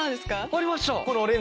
ありました。